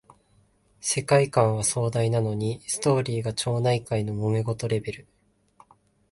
世界観は壮大なのにストーリーが町内会のもめ事レベル